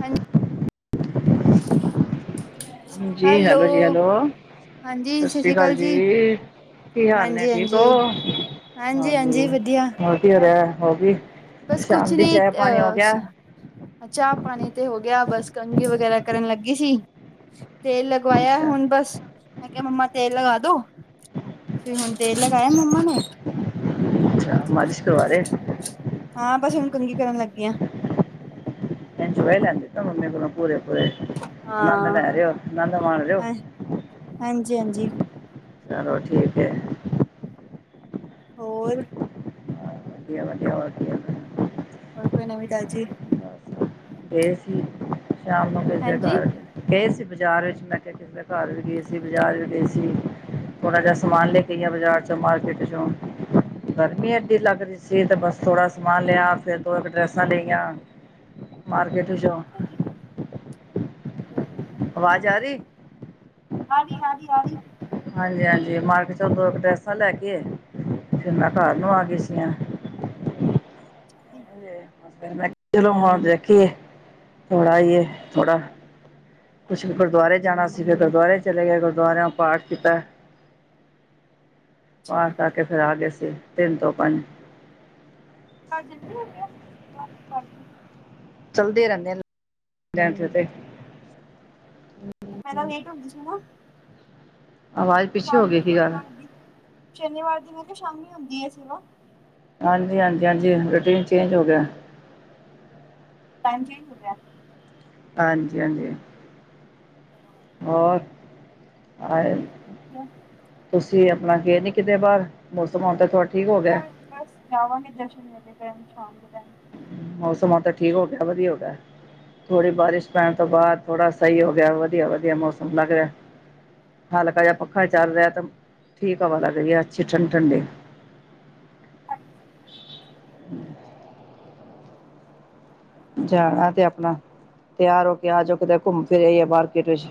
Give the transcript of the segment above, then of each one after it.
ਹਾਂਜ ਜੀ ਹੈਲੋ ਜੀ ਹੈਲੋ। ਹਾਂਜੀ ਸਸ ਸਤਿ ਸ੍ਰੀ ਸ਼੍ਰੀ ਕਾਲ ਅਕਾਲ ਜੀ, ਕੀ ਹਾਲ ਹੈ ਹਾਂਜੀ ਠੀਕ ਹੋ? ਹਾਂਜੀ ਹਾਂਜੀ ਹੋਰ ਕੀ ਹੋ ਰਿਹਾ ਹੋ ਵੀ ਬਸ ਕੁਛ ਨੀ ਅ ਸੁ ਅ ਚਾਹ ਪਾਣੀ ਤੇ ਹੋ ਗਿਆ ਬਸ ਕੰਗੀ ਵਗੈਰਾ ਕਰਨ ਲੱਗੀ ਸੀ। ਤੇਲ ਲਗਵਾਇਆ ਅੱਛਾ ਹੁਣ ਬਸ ਮ ਕਿਹਾ ਮੰਮਾ ਤੇਲ ਲਗਾ ਦੋ ਤੇਲ ਲਗਾਾਇਆ ਅੱਛਾ ਮੰਮਾ ਨੇ। ਮਾਲਿਸ਼ ਕਰਵਾ ਰਹੇ? ਹਾਂ, ਬਸ ਹੁੰਨ ਕੰਘੀ ਕਰਨ ਲੱਗੀ ਹਾਂ। ਇੰਜੌਏ ਲੈਂਦੇ ਪਏ ਓ ਮੰਮੀ ਕੋਲੋਂ ਪੂਰੇ-ਪੂਰੇ, ਅਨੰਦ ਹਾਂ। ਲੈ ਰਹੇ ਹੋ, ਆਨੰਦ ਮਾਣ ਰਹੇ ਹੋ। ਹਾਂਜੀ-ਹਾਂਜੀ। ਚਲੋ ਠੀਕ ਏ। ਹੋਰ? ਵਧੀਆ-ਵਧੀਆ, ਹੋਰ ਕੀ ਹੋਰ ਕੋਈ ਨਵੀਂ-ਤਾਜ਼ੀ? ਗਏ ਸੀ, ਸ਼ਾਮ ਨੂੰ ਕਿਸ ਦੇ ਹਾਂਜੀ। ਘਰ। ਗਏ ਸੀ ਬਾਜ਼ਾਰ ਵਿੱਚ। ਮੈਂ ਕਿਹਾ ਕਿਸ ਦੇ ਘਰ ਵੀ ਗਏ ਸੀ, ਬਜ਼ਾਰ ਵੀ ਗਏ ਸੀ। ਥੋੜਾ ਜਿਹਾ ਸਮਾਨ ਲੇਕੇ ਗੀ ਆ, ਬਾਜ਼ਾਰ'ਚੋਂ, ਮਾਰਕੀਟ'ਚੋਂ। ਗਰਮੀ ਐਡੀ ਲੱਗ ਰਹੀ ਸੀ, ਤੇ ਬਸ ਥੋੜਾ ਸਮਾਨ ਲਿਆ, ਫਿਰ ਦੋ ਡਰੈਸਾਂ ਲਈਆਂ। ਮਾਰਕਿਟ ਵਿਚੋ। ਪਤਾ ਕੀ ਅਵਾਜ਼ ਆ ਰਹੀ? ਆਰੀ, ਆਰੀ, ਆਰੀ ਹਾਂਜੀ-ਹਾਂਜੀ, ਮਾਰਕਿਟ'ਚੋ ਦੋ, ਕ ਡਰੈਸਾਂ ਲੈਕੇ, ਫਿਰ ਮੈਂ ਘਰ ਨੂੰ ਆਗੀ ਸੀਆਂ। ਅੱਛਾ ਜੀ। ਚਲੋ, ਹੁਣ ਬੈਠੀਏ ਥੋੜਾ ਈਏ, ਥੋੜਾ। ਕੁਛ ਗੁਰਦੁਆਰੇ ਜਾਣਾ ਸੀਗਾ, ਫਿਰ ਗੁਰਦੁਆਰੇ ਚਲੇ ਗਏ, ਗੁਰਦੁਆਰੇਓਂ ਪਾਠ ਕੀਤਾ। ਅੱਛਾ ਪਾਠ ਕਰਕੇ ਫਿਰ ਆ ਗਏ ਸੀ, ਤਿੰਨ ਤੋਂ ਪੰਜ। ਪਾਠ ਜਲਦੀ ਹੋਗਿਆ? ਭਜੀ [unintelligible] ਚੱਲਦੇ ਰਹਿੰਦੇਨ, ਲਾਇਨਸਰ ਤੇ। ਤੇ, ਪਹਿਲਾਂ ਲੇਟ ਹੁੰਦੀ ਸੀ ਨਾ। ਆਵਾਜ਼ ਪਿੱਛੇ ਹੋ ਸ਼ਾਮੀ ਗਈ ਕੀ ਗੱਲ ਸ਼ਨੀਵਾਰ ਦੀ। ਸ਼ਨੀਵਾਰ ਦੀ ''ਮੈਂ ਕਿਆ ਸ਼ਾਮੀ ਹੁੰਦੀ ਏ, ਸੇਵਾ। ਹਾਂਜੀ-ਹਾਂਜੀ, ਹਾਂਜੀ, ਰੂਟੀਨ ਚੇਂਜ ਹੋਗਿਆ। ਟਾਇਮ ਚੇਂਜ ਹੋਗਿਆ। ਹਾਂਜੀ-ਹਾਂਜੀ। ਹੋਰ, ਆਏ ਵਧੀਆ। ਤੁਸੀ ਆਪਣਾ ਗਏ ਨੀ ਕਿਤੇ ਬਾਹਰ? ਮੌਸਮ, ਹੁਣ ਤਾ ਥੋੜਾ ਠੀਕ ਹੋਗਿਆ। ਹੁਣ ਬਸ, ਜਾਵਾਂਗੇ ਜਰਸ਼ਨ ਮੇਲੇ ਟਾਇਮ, ਸ਼ਾਮ ਦੇ ਟਾਇਮ। ਮੌਸਮ ਹੁਣ ਤਾਂ ਠੀਕ ਹੋਗਿਆ, ਵਧੀਆ ਹੋਗਿਆ। ਥੋੜੀ ਬਾਰਿਸ਼ ਪੈਣ ਤੋਂ ਬਾਅਦ, ਥੋੜਾ ਸਹੀ ਹੋਗਿਆ। ਵਧੀਆ-ਵਧੀਆ ਮੌਸਮ ਲੱਗ ਰਿਹਾ। ਹਲਕਾ ਜਾ ਪੱਖਾ ਚੱਲ ਰਿਹਾ, ਤਾਂ ਠੀਕ ਹਵਾ ਲੱਗ ਰਹੀ ਆ, ਅੱਛੀ, ਠੰਡੀ-ਠੰਡੀ। ਜਾਣਾ ਤੇ ਆਪਣਾ, ਤਿਆਰ ਹੋਕੇ ਆਜੋ ਕਿਤੇ ਘੁੰਮ ਫਿਰ ਆਈਏ ਮਾਰਕੀਟ ਵਿੱਚ।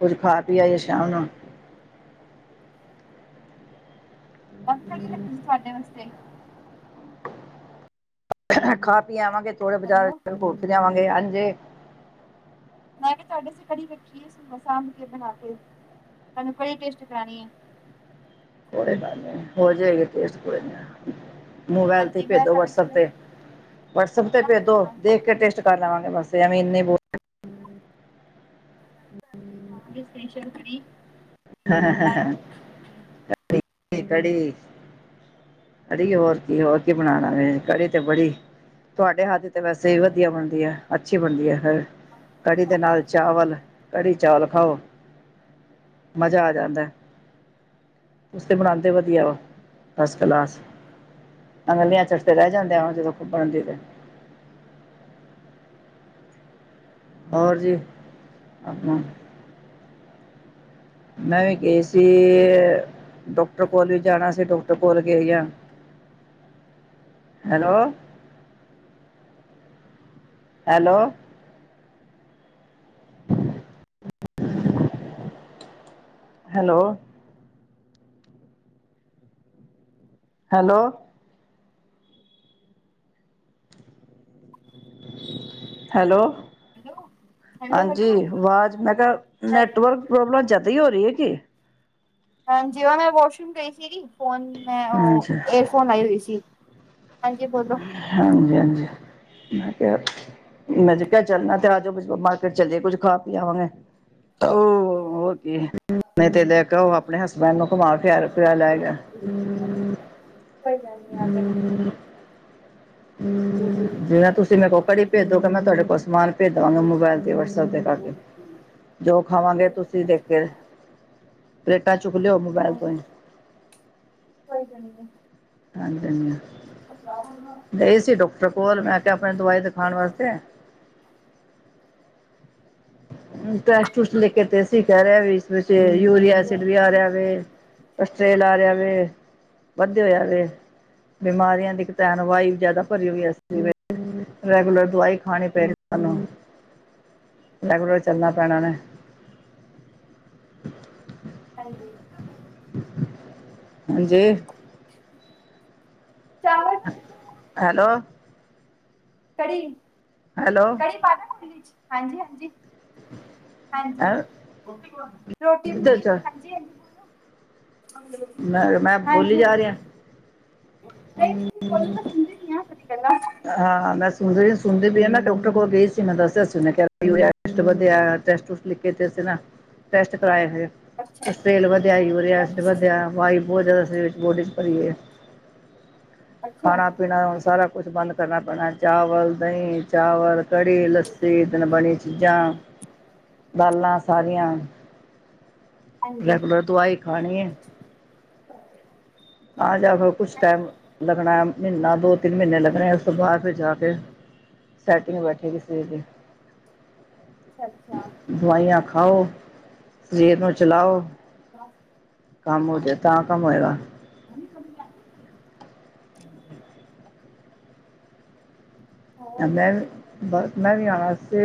ਕੁਝ ਖਾ-ਪੀ ਆਈਏ ਸ਼ਾਮ ਨੂੰ। ਬੰਦ ਕੜੀ ਰੱਖੀ ਸੀ, ਤੁਹਾਡੇ ਵਾਸਤੇ। ਖਾ-ਪੀ ਆਵਾਂਗੇ, ਥੋੜ੍ਹੇ ਬਾਜ਼ਾਰ ਹੈਲੋ ਰੁੱਕ ਜਾਵਾਂਗੇ, ਅਨ ਜੇ 'ਮੈਂ ਕਿਹਾ ਤੁਹਾਡੇ ਅਸਤੇ ਕੜੀ ਰੱਖੀ ਸਾਂਭਕੇ, ਬਣਾਕੇ, ਤੁਹਾਨੂੰ ਕੜੀ ਟੇਸਟ ਕਰਾਣੀ ਏ। ਕੋਈ ਗੱਲ ਨਹੀਂ, ਹੋ ਜਾਏਗੀ ਟੇਸਟ, ਕੋਈ ਨਾ। ਮੋਬਾਇਲ ਤੇ ਹਾਂਜੀ ਮੈਂ ਭੇਜੋ ਤੁਹਾਡੇ ਸਿਰ ਵਟਸਐਪ ਤੇ, ਨਾ ਵਟਸਐਪ ਤੇ ਭੇਜਦੇ ਨਾ ਦੇਖਕੇ ਟੇਸਟ ਕਰ ਲਵਾਂਗੇ ਬਸ, ਐਵੇਂ ਇੰਨੇ ਬਹੁ ਗੇ ਸਪੈਸ਼ਲ ਕੜੀ ਹਾ, ਹਾ, ਹੈਲੋ ਕੜੀ-ਕੜੀ। ਕੜੀ ਹੋਰ ਕੀ, ਹੋਰ ਕੀ, ਬਣਾਣਾ ਵੇ? ਕੜੀ ਤੇ ਬੜੀ ਤੁਹਾਡੇ ਹੱਥ ਦੀ ਤੇ ਵੈਸੇ ਵੀ ਵਧੀਆ ਬਣਦੀ ਹੈ, ਅੱਛੀ ਬਣਦੀ ਹੈ। ਕੜੀ ਦੇ ਨਾਲ ਚਾਵਲ, ਕੜੀ-ਚਾਵਲ ਖਾਓ। ਮਜ਼ਾ ਆ ਜਾਂਦਾ। ਤੁਸੀ ਤੇ ਬਣਾਂਦੇ ਵਧੀਆ ਓ, ਫਸਟਕਲਾਸ! ਅੰਗਲੀਆਂ ਚੱਟ ਦੇ ਰਹਿ ਜਾਂਦੇ ਆ, ਜਦੋਂ ਖੱਬਣ ਜੇ ਤੇ। ਔਰ ਜੀ, ਆਪਣਾ ਮੈਂ ਵੀ ਗਈ ਸੀ। ਡੋਕਟਰ ਕੋਲ ਵੀ ਜਾਣਾ ਸੀ ਡਾਕਟਰ ਕੋਲ ਗਈ ਆ। Hello. Hello. Hello. Hello. Hello, hello ਹਾਂਜੀ ਹੈਲੋ ਵਾਜ਼ ਮੈਂ ਕਿਆ, ਨੈਟਵਰਕ ਪ੍ਰੋਬਲਮ ਜ਼ਾਦਾ ਈ ਹੋ ਰਹੀ ਏ ਕੀ? ਹਾਂਜੀ, ਉਹ ਮੈਂ ਵਾਸ਼ਰੂਮ ਗਈ ਸੀਗੀ। ਫੋਨ ਮੈਂ ਉਹ ਹਾਂਜੀ ਏਸ ਹੁਣ ਆਈ ਹੋਈ ਸੀ। ਹਾਂਜੀ, ਬੋਲੋ ਹਾਂਜੀ-ਹਾਂਜੀ। ਮੈਂ ਕਿਹਾ, ਮੈਂ ਕਿਆ ਚੱਲਣਾ ਤੇ ਆਜੋ ਮਾਰਕੀਟ ਚੱਲੇ ਕੁੱਝ ਖਾ ਪੀ ਆਵਾਂਗੇ। ਤੇ ਓ ਹੋਰ ਕੀ, ਨਹੀਂ ਤੇ ਲੈ ਕੇ ਆਓ ਆਪਣੇ ਹਸਬੈਂਡ ਮੈਨੂੰ ਕੁਮਾਰ [unintelligible] ਕੋਈ ਗੱਲ ਨੀ ਆ ਜਿਵੇਂ ਤੁਸੀਂ ਮੇਰੇ ਕੋਲ ਕੜੀ ਭੇਜ ਦੋਗੇ ਮੈਂ ਤੁਹਾਡੇ ਕੋਲ [inaudible] ਸਮਾਨ ਭੇਜ ਦੇਵਾਂਗਾ ਮੋਬਾਇਲ ਤੇ ਵਟਸਐਪ ਤੇ ਕਰਕੇ ਹੂੰ। ਜੋ ਖਾਵਾਂਗੇ ਤੁਸੀਂ ਦੇਖ ਕੇ, ਪਲੇਟਾਂ ਚੁੱਕ ਲਿਓ। ਮੋਬਾਇਲ ਤੋਂ ਹਾਂਜੀ, ਹੀ ਕੋਈ ਗੱਲ ਨ‌ਈ। ਹਾਂਜੀ-ਹਾਂਜੀ। ਗਏ ਸੀ ਡੋਕਟਰ ਕੋਲ ਮੈਂ ਕਿਆ ਆਪਣੇ ਦਵਾਈ ਦਿਖਾਣ ਵਾਸਤੇ ਟੈਸਟ-ਟੂਸਟ ਲੈਕੇ ਤੇ ਅਸੀ ਕਹਿ ਰਹੇ ਵੀ, ਇਸ ਵਿੱਚ ਯੂਰੀਆ ਐਸਿਡ ਵੀ ਆ ਰਿਹਾ ਵੇ। ਕਸਟ੍ਰੇਲ ਆ ਰਿਹਾ ਵੇ, ਵੱਧਦੇ ਹੋਇਆ ਵੇ। ਬਿਮਾਰੀਆਂ ਦੀ ਕਤੈਨਵਾਈ ਜ਼ਿਆਦਾ ਭਰੀ ਹੋਈ ਹੈ, ਇਸਦੇ ਵਿੱਚ। ਰੈਗੂਲਰ ਦਵਾਈ ਖਾਣੀ ਪੈ ਰਹੀ ਤਾਨੂੰ। ਰੈਗੂਲਰ ਚੱਲਣਾ ਪੈਣਾ ਨੇ ਹਾਂਜੀ। ਹਾਂਜੀੇ। ਚਾਵਲ ਹੈਲੋ। ਕੜੀ। ਕੜੀ ਹੈਲੋ ਪਾਦਾ ਕੋਲੀ 'ਚ ਹਾਂਜੀ-ਹਾਂਜੀ। ਹਾਂਜੀ, ਰੋਟੀ ਕਿੱਧਰ ਬਣਾਈ ਨ ਚ ਹਾਂਜੀ-ਹਾਂਜੀ ਬੋਲੋ? ਮੈਂ [unintelligible] ਮੈਂ ਬੋਲੀ ਹਾਂਜੀ। ਜਾ ਰਿਹਾ [unintelligible] ਕੋਈ ਨਿ ਮੈਂ ਸੁਟਦੀ ਪਈ ਆਂ ਤੇਰੀ ਗੱਲਾਂ ਹਾਂ ਮੈਂ ਸੁਣ ਰ‌ਈ ਸੁਣਦੀ ਪ‌ਈ ਐ ਨਾ। ਡੋਕਟਰ ਕੋਲ ਗਈ ਸੀ ਮੈਂ ਦੱਸਿਆ ਸੀ, ਮੈ ਕਿਆ ਕੀ ਹੋਇਆ ਕੈਸਟੋ ਵਧਿਆ ਟੈਸਟ-ਟੂਸਟ ਕਿਤੇ ਤੇ ਨਾ ਟੈਸਟ ਕਰਾਏ ਹੋਏ। ਕਸਟਰੇਲ ਵਧਦਾ, ਯੂਰੀਆ ਅੱਛਾ ਐਸਿਡ ਅੱਛਾ ਵਧਯਾ ਵਾਈ ਬੋਤ ਜ਼ਿਆਦਾ ਬੋਡੀ ਚ ਪਰੀ ਦੀ ਏ। ਅੱਛਾ ਖਾਣਾ-ਪੀਣਾ ਹੁਣ ਸਾਰਾ ਕੁਛ ਬੰਦ ਕਰਨਾ ਪੈਣਾ ਚਾਵਲ, ਦਈ- ਚਾਵਲ, ਕੜੀ, ਲੱਸੀ ਦਿਨ ਬਣੀ ਚੀਜ਼ਾਂ, ਦਾਲਾਂ ਸਾਰੀਆਂ ਹੁਨ ਹਾਂਜੀ ਰੈਗੂਲਰ ਦਵਾਈ ਖਾਣੀ ਹੈ। ਆਜਾ, ਫਿਰ ਕੁਝ ਟਾਈਮ ਲੱਗਣਾ ਮਹੀਨਾ ਦੋ, ਤਿੰਨ ਮਹੀਨੇ ਲੱਗਣੇ। ਤੋਂ ਬਾਰ ਫਿਰ ਜਾ ਕੇ, ਸੈਟਿੰਗ ਬੈਠੇ ਕਿਸੇ ਦੇ। ਸੱਚਾ। ਦਵਾਈਆਂ ਖਾਉ ਸ਼ਰੀਰ ਨੂੰ ਚਲਾਓ। [inaudible] [inaudible] ਕੰਮ ਹੋ ਜੇ, ਤਾਂ ਕੰਮ ਹੋਏਗਾ। [inaudible] ਹੋਰ ਕਹੀੰੰਦਾ ਬੱਸ ਮੈਂ ਵੀ ਆਵਾਂ ਸੀ।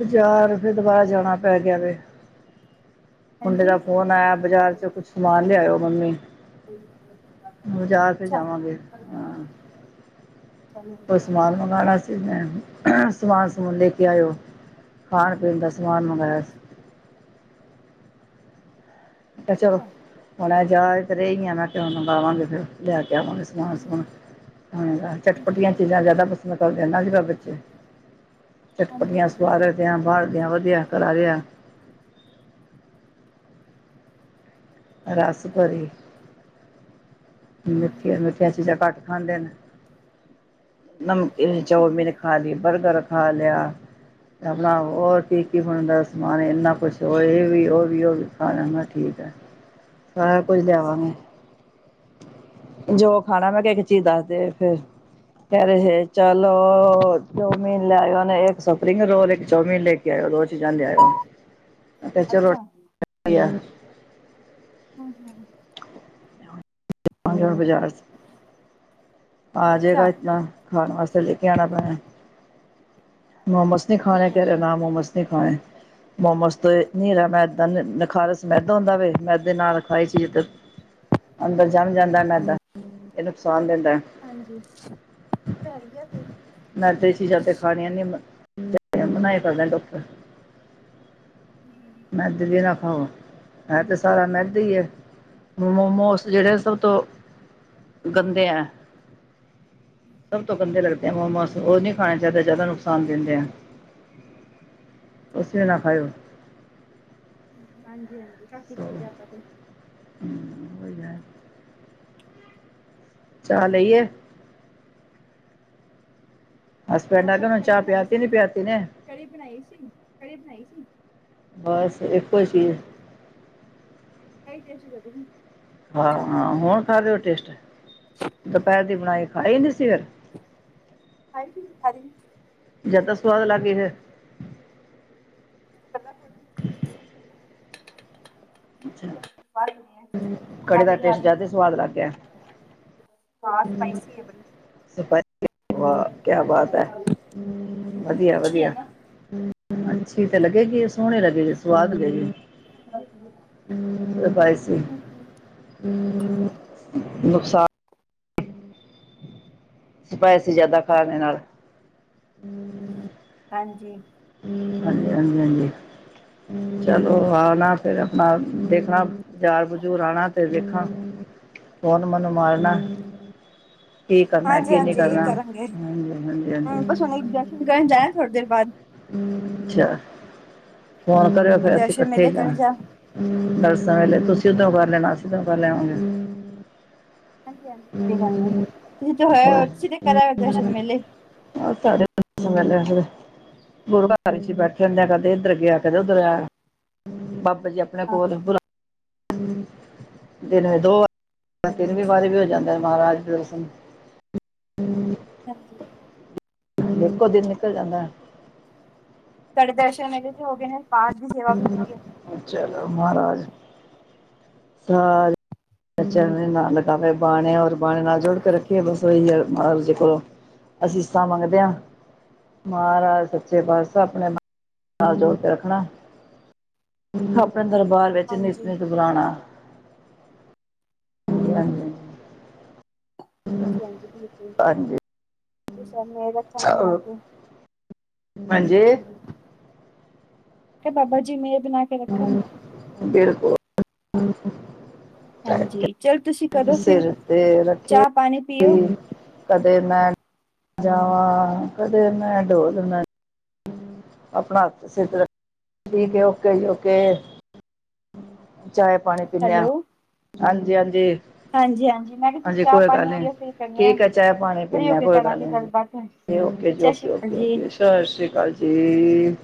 ਬਜਾਰ, ਫਿਰ ਦੁਬਾਰਾ ਜਾਣਾ ਪੈ ਗਿਆ ਵੇ। ਮੁੰਡੇ ਦਾ ਹਾਂਜੀ ਫੋਨ ਆਇਆ ਬਾਜ਼ਾਰ ਚੋ ਕੁਛ ਸਮਾਨ ਲਿਆਇਓ ਮੰਮੀ। ਅੱਛਾ ਬਜ਼ਾਰ ਤੇ ਜਾਵਾਂਗੇ ਹਾਂ ਚਲੋ ਕੋਈ ਵਧੀਆ ਸਮਾਨ ਮੰਗਾਨਾ ਸੀ ਮੈਂ, ਸਮਾਨ ਸਮੂਨ ਲੈ ਕੇ ਆਏਓ। ਖਾਣ-ਪੀਣ ਦਾ ਸਮਾਨ ਮੰਗਾਇਆ ਸੀ। ਤੇ ਚਲੋ ਅੱਛਾ ਹੁਣ ਅੱਜ ਆ ਤੇ ਰਹੀ ਆ ਨਾ ਕਯੋ ਮੰਗਾਵਾ ਫਿਰ ਲੈਕੇ ਆਵਾਂਗੇ। ਹੂੰ ਹੂੰ ਮੌਨਸੂਨ ਹੁਨ ਚਟਪਟੀਆਂ ਹੂੰ ਚੀਜ਼ਾਂ ਜ਼ਿਆਦਾ ਪਸੰਦ ਕਰਦੇ ਨੇ ਅੱਜ-ਕੱਲ੍ਹ। ਵਿੱਚ ਹਾਂਜੀ ਚਟਪਟੀਆਂ, ਹਾਂਜੀ ਸਵਾਦਰੀਆਂ, ਬਾਹਰ ਦਿਆਂ ਵਧੀਆ ਕਰਾਰਿਆ ਰੱਸਪਰੀ। ਮਿੱਠਿਆਂ, ਹੂੰ ਮਿੱਠੀਆਂ ਚੀਜ਼ਾਂ ਘੱਟ ਖਾਂਦੇ ਨੇ। ਨਮਕੀਨ, ਉਹ ਤਾਂ ਹੈ ਹੀ ਆ ਚਾਉਮੀਨ ਖਾ ਲੀ, ਬਰਗਰ ਖਾ‌ ਲਿਆ। ਆਪਣਾ ਹੋਰ ਕੀ-ਕੀ ਬਣਦਾ ਸਮਾਨ, ਇੰਨਾ ਕੁੱਛ ਹੋ ਇਹ ਵੀ, ਉਹ ਵੀ, ਉਹ ਵੀ, ਖਾ ਲੈਂਦਾ ਠੀਕ। ਹੈ [unintelligible] ਸਾਰਾ ਕੁਝ ਲਿਆਵਾਂਗੇ। [inaudible] ਜੋ ਖਾਣਾ ਮੈਂ ਕਿਹਾ, ਇੱਕ ਚੀਜ਼ ਦੱਸਦੇ ਫਿਰ ਕਹਿ ਰਹੇ ਸੀ, ਚੱਲੋ ਚੌਮੀਨ ਲਿਆਂਓ ਨੇ ਇੱਕ ਸੱਪਰਿੰਗ ਰੋਲ, ਇੱਕ ਚੌਮੀਨ ਲੈ ਯਾ ਏ ਦੋ ਚੀਜ਼ਾਂ ਲਿਆਏ ਓ। [unintelligible] [inaudible] ਅੱਛਾ [inaudible] [inaudible] ਆਈ ਮੈ ਬਜ਼ਾਰ ਚ। ਆ ਅੱਛਾ ਜਾਏਗਾ ਇਤਨਾ, ਖਾਨ ਵਾਸਤੇ ਲੈਕੇ ਆਨਾ ਪੈਣਾ। ਮੋਮੋਸ ਨੀ ਅੱਛਾ ਖਾਣੇ ਅੱਛਾ ਤੇਰੇ, ਅੱਛਾ ਨਾ ਮੋਮੋਸ ਨੀ ਖਾਣੇ। ਮੋਸਮ ਤੇ ਨੀਰਾ ਮੈਦਾ ਖਾਣ ਆਸਤੇ ਮੈਦਾ ਹੁੰਦਾ ਵੇ ਮੈਦੇ ਨਾਲ ਖਾਈ ਸੀ‌ ਤੇ ਅੰਦਰ ਜੰਮ ਜਾਂਦਾ ਨੇ ਤਾਂ ਇਹ ਨੁਕਸਾਨ ਦਿੰਦਾ। ਹਾਂਜੀ, ਉਹ ਤਾਂ ਹੈ ਈ ਆ ਫਿਰ। ਮੈਂ ਤੇ ਸ਼ੀਸ਼ਾ ਤੇ ਖਾਣੀ ਆ ਨੇ [unintelligible] ਬਨਾਏ ਕਰਦੇ ਡੋਕਟਰ। [inaudible] ਮੈਦਾ ਵੀ ਨਾ ਖਾਓ, ਐ ਤੇ ਸਾਰਾ ਮੈਦਾ ਈ ਏ। ਮੋਮੋਸ, ਜਿਹੜੇ ਸਭ ਤੋਂ ਗੰਦੇ ਐ। [inaudible] [inaudible] ਸਭ ਤੋਂ ਗੰਦੇ ਲੱਗਦੇ ਆ ਮੋਮੋਸ, ਉਹ ਨਹੀਂ ਖਾਣੇ ਚਾਹੀਦੇ ਜ਼ਿਆਦਾ ਨੁਕਸਾਨ ਦਿੰਦੇ ਆ। ਤੁਸੀ ਵੀ ਨਾ ਖਾਯੋ। ਹਾਂਜੀ ਹਾਂਜੀ, ਕਰ ਤੀਤਿ ਆਪਾਂ ਤੇ। [inaudible] [inaudible] ਚਾਹ ਲਈ ਏ? ਨਾ ਹਸਬੈਂਡ ਆ ਗਏ ਬਸ ਉਹਨਾਂ ਨੂੰ ਕੜੀ ਚਾਹ ਬਣਾਈ ਪਿਆਤੀ ਸੀ ਨਹੀਂ ਪਿਆਤੀ ਨੇ ਕੜੀ ਬਣਾਈ ਸੀ ਕੜੀ ਬਣਾਈ ਸੀ। ਬਸ ਇੱਕੋ ਸੀ। ਐ ਈ ਟੈਨਸ਼ਣ ਵਧਗੀ। ਹਾਂ-ਹਾਂ, ਹੁਣ ਖਾ ਦਿਓ ਟੇਸਟ। ਦੁਪਹਿਰ ਦੀ ਬਣਾਈ ਖਾ ਈ ਨੀ ਸੀ ਫਿਰ। ਹਾਂਜੀ ਖਾ ਲੀ। ਜਿਆਦਾ ਸੁਵਾਦ ਲੱਗ ਈ ਫਿਰ। [inaudible] ਅੱਛਾ [unintelligible] ਕੜੀ ਦਾ ਟੇਸਟ ਜ਼ਿਆਦਾ ਸਵਾਦ ਲੱਗ ਗਿਆ ਹਾਂ, ਸਪਾਈਸੀ ਐ ਬੜੀ। ਸਪਾ ਸੀ ਵਾਹ ਕਿਆ ਬਾਤ ਐ, ਤਿੱਖੀ ਹੈ ਵਧੀਆ-ਵਧੀਆ। ਨਾ ਅੱਛੀ ਤੇ ਲੱਗੇਗੀ, ਸੋਹਣੇ ਲੱਗੇਗੀ ਸਵਾਦ ਲਗੇਗੀ। ਹੂ ਸਪਾਇਸੀ। ਨੁਕਸਾਨ। ਸਪਾਇਸੀ ਜ਼ਿਆਦਾ ਖਾਣੇ ਨਾਲ। ਹਾਂਜੀ। ਹਾਂਜੀ, ਹਾਂਜੀ-ਹਾਂਜੀ ਚਲੋ ਆਣਾ ਫਿਰ ਆਪਣਾ ਦੇਖਣਾ। ਘਾਰ ਜਰੂਰ ਆਣਾ ਤੇ ਵੇਖਾਂ [inaudible] ਤੇ ਮਨ ਮਨ ਮਾਰਨਾ। ਕੀ ਕਰਨਾ ਹਾਂਜੀ ਕੀ ਨਹੀਂ ਹਾਂਜੀ ਕਰਨਾ ਕਰਾਂਗੇ ਹਮ ਹਾਂਜੀ -ਹਾਂਜੀ। [inaudible] ਦਰਸ਼ਨ ਕਰਨ ਜਾਇ ਥੋੜੀ ਦੇਰ ਬਾਅਦ। ਅੱਛਾ ਫੋਨ ਕਰਿਓ ਫਿਰ ਅਸੀਂ ਦਰਸ਼ਨ ਇਕੱਠੇ ਮੇਲੇ ਕਰਨ ਜਾ ਜਾਣਾ। ਬਸਾਂ ਵੇਲੇ ਤੁਸੀਂ ਤੇ ਉਹ [inaudible] ਹਾਂਜੀ -ਹਾਂਜੀ, ਕੋਈ ਗੱਲ ਨੀ, ਤੁਸੀਂ ਤੇ ਹੋਆਏ ਤੁਸੀ ਤੇ ਕਰ ਆਏ ਦਰਸ਼ਨ ਮੇਲੇ। ਆ [unintelligible] ਲਿਆ। ਗੁਰੂ ਘਰ ਵਿੱਚ ਬੈਠੇ ਹੁੰਦੇ ਹ ਕਦੇ ਇੱਧਰ ਗਿਆ ਕਦੇ ਉੱਧਰ ਆਇਆ ਬਾਬਾ ਜੀ ਆਪਣੇ ਹਾਂ ਕੋਲ ਹੀ ਬੁਲਾ [unintelligible] ਦਿਨ ਦੋ ਵ ਤਿੰਨਵੀਂ ਵਾਰੀ ਵੀ ਹੋ ਜਾਂਦਾ ਮਹਾਰਾਜ ਦੇ ਦਰਸ਼ਨ। ਹਮ। [inaudible] ਹਾਂਜੀ। ਇੱਕੋ ਦਿਨ ਨਿਕਲ ਜਾਂਦਾ। ਤੁ ਆਡੇ ਦਰਸ਼ਨ ਮੇਲੇ ਤੇ ਹੋ ਗਏ ਨੇ ਪਾਸ ਦੀ ਸੇਵਾ ਵੀ ਹੋ ਹਗੀ ਹੈ। ਚਲੋ ਮਹਾਰਾਜ। ਸਾਜ਼। ਬੱਚ ਨਾ ਲਗਾਵੇ ਬਾਣੇ ਰ ਬਾਣੇ ਨਾਲ ਜੁੜ ਕੇ ਰੱਖੇ ਬਸ ਹ ਮਾਹਰਾਜ ਜੀ ਕੋਲ। ਅਸੀਸਾਂ ਮੰਗਦੇ ਹਾਂ। ਮਹਾਰਾਜ ਸੱਚੇ ਪਾਤਸ਼ਾਹ ਆਪਣੇ ਨਾਲ ਜੋੜ ਕੇ ਰੱਖਣਾ। ਆਪਣੇ ਦਰਬਾਰ ਵਿੱਚ ਨਿਤ ਹਾਂਜੀ ਨਿਤ ਬੁਲਾਣਾ। ਹ ਆਜੀ। [inaudible] ਹਾਂਜੀ -ਹਾਂਜੀ, ਬਿਲਕੁਲ ਹਾਂਜੀ ਗੁਰੂ ਸਾਹਿਬ ਮੇਹਰ ਰੱਖਣ ਬਨਾ ਸਭ- ਕੇ। ਹਾਂਜੀ ਬਾਬਾ ਜੀ ਮੇਰ ਬਣਾ। ਕੇ ਰੱਖਣ [inaudible] ਬਿਲਕੁਲ। ਹਾਂਜੀ, ਚਲ ਤੁਸੀਂ ਕਰੋ ਫਿਰ ਸਿਰ ਤੇ ਰੱਖੇ ਚਾਹ ਪਾਣੀ ਪੀਓ। ਕਦੇ ਮੈਂ ਜਾਵਾਂ ਕਦੇ ਮੈਂ ਡੋਲ ਨਾ। ਆਪਣਾ ਹੱਥ ਸਿਰ ਤੇ ਰਖਦ ਠੀਕ ਹੈ। ਕ ਈ ਹੋ ਕੇ ਚਾਏ, ਪਾਣੀ। ਪੀਂਦੇ ਹਾਂ ਹੈਲੋ। ਹਾਂਜੀ -ਹਾਂਜੀ। ਹਾਂਜੀ ਹਾਂਜੀ ਮੈਂ ਕਿਹਾ ਤੁਸੀਂ ਹਾਂਜੀ, ਚਾਹ ਕੋਈ ਪਾਣੀ ਗੱਲ ਨੀ ਪੀਓ ਫਿਰ ਕਰਨੇ ਆ ਠੀਕ ਹੈ ਚਾਹ ਪਾਣੀ ਫਰੀ ਪੀਣੇ ਹੋ ਆ ਕੇ ਕੋਈ ਗੱਲ ਕਰਾਂਗੇ ਨੀ। ਗੱਲਬਾਤ ਕੇ ਔਕੇ ਜੀ ਸਤਿ ਔਕੇ ਸ਼੍ਰੀ ਅਕਾਲ ਔਕੇ ਜੀ ਔਕੇ, ਸਸਸ਼੍ਰੀ ਕਾਲ ਜੀ।